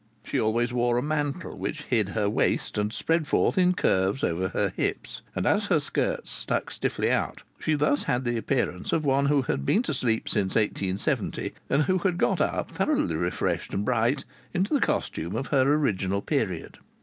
She always wore a mantle which hid her waist and spread forth in curves over her hips; and as her skirts stuck stiffly out, she thus had the appearance of one who had been to sleep since 1870, and who had got up, thoroughly refreshed and bright, into the costume of her original period.